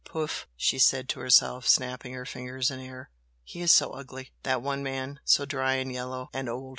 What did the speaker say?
"Poof!" she said to herself, snapping her fingers in air "He is so ugly! that one man so dry and yellow and old!